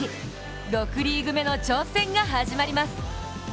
６リーグ目の挑戦が始まります。